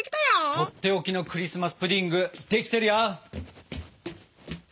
とっておきのクリスマス・プディングできてるよ！